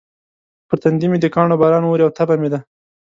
پر تندي مې د کاڼو باران اوري او تبه مې ده.